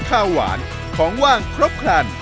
ข้าวหวานของว่างครบครัน